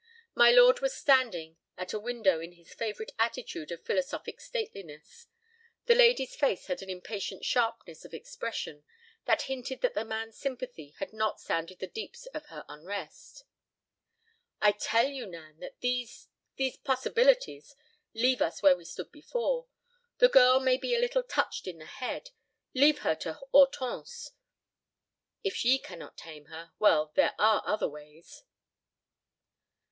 My lord was standing at a window in his favorite attitude of philosophic stateliness. The lady's face had an impatient sharpness of expression that hinted that the man's sympathy had not sounded the deeps of her unrest. "I tell you, Nan, that these—these possibilities—leave us where we stood before. The girl may be a little touched in the head. Leave her to Hortense; if she cannot tame her, well, there are other ways."